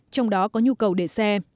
trong đó có nhu cầu để xe